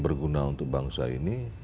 berguna untuk bangsa ini